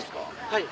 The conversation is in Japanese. はい。